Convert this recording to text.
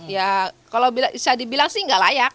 ya kalau bisa dibilang sih nggak layak